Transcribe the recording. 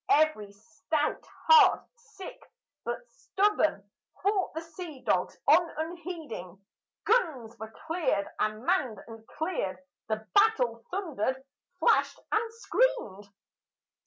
Every stout heart sick but stubborn, fought the sea dogs on unheeding, Guns were cleared and manned and cleared, the battle thundered, flashed, and screamed.